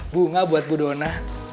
bunga buat bu dona